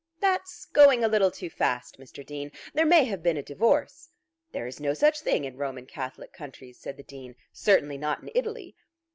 "That's going a little too fast, Mr. Dean. There may have been a divorce." "There is no such thing in Roman Catholic countries," said the Dean. "Certainly not in Italy."